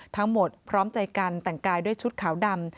ทั้งหมดพร้อมใจการแต่งกายด้วยชุดขาวดำ